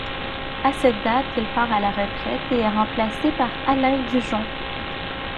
À cette date il part à la retraite et est remplacé par Alain Dujon.